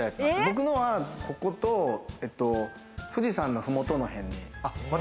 僕のはここと、富士山の麓の家に。